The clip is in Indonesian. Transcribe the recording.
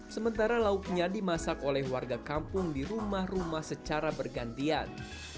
sementara lauknya dimasak oleh warga kampung di rumah rumah secara bergantian